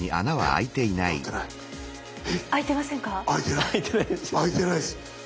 開いてないです！